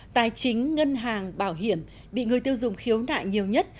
tài chính ngân hàng bảo hiểm bị người tiêu dùng khiếu nại nhiều nhất